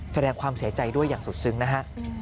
แสดงความเสียใจด้วยอย่างสุดซึ้งนะฮะ